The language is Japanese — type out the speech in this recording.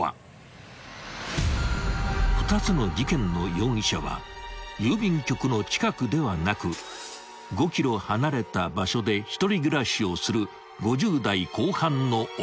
［２つの事件の容疑者は郵便局の近くではなく５ｋｍ離れた場所で１人暮らしをする］